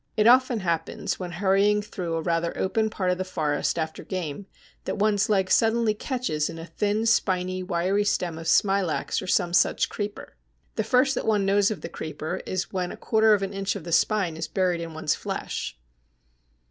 It often happens, when hurrying through a rather open part of the forest after game, that one's leg suddenly catches in a thin, spiny, wiry stem of Smilax or some such creeper. The first that one knows of the creeper is when a quarter of an inch of the spine is buried in one's flesh.